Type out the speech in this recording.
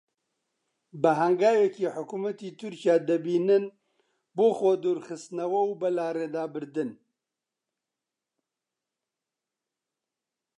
بە هەنگاوێکی حکوومەتی تورکیا دەبینن بۆ خۆدوورخستنەوە و بەلاڕێدابردن